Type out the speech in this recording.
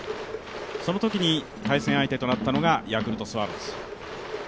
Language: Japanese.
そのときに対戦相手となったのがヤクルト・スワローズ。